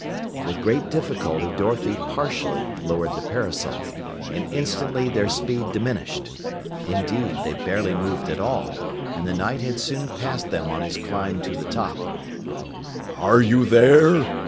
With great difficulty Dorothy partially lowered the parasol, and instantly their speed diminished. Indeed, they barely moved at all, and the Knight had soon passed them on his climb to the top. "Are you there?"